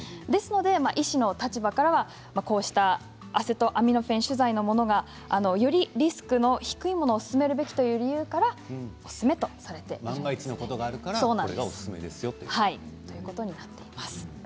医師の立場からはアセトアミノフェン主剤のものがよりリスクの低いものを勧めるべきという理由からおすすめとされています。